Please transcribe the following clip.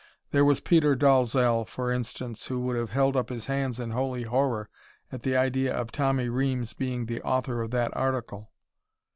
There was Peter Dalzell, for instance, who would have held up his hands in holy horror at the idea of Tommy Reames being the author of that article.